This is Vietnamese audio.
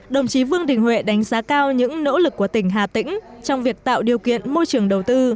đồng chí vương đình huệ đánh giá cao những nỗ lực của tỉnh hà tĩnh trong việc tạo điều kiện môi trường đầu tư